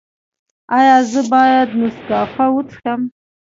ایا زه باید نسکافه وڅښم؟